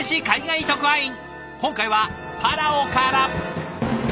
今回はパラオから。